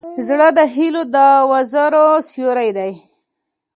زړه د هيلو د وزرو سیوری دی.